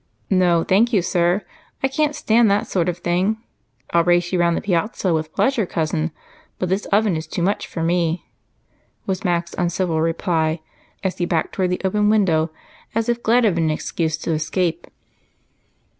"No, thank you, sir I can't stand that sort of thing. I'll race you round the piazza with pleasure, Cousin, but his oven is too much for me," was Mac's uncivil reply as he backed toward the open window, as if glad of an excuse to escape.